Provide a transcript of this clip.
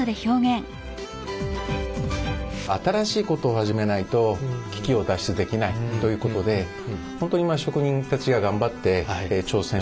新しいことを始めないと危機を脱出できないということで本当に職人たちが頑張って挑戦してくれたんですね。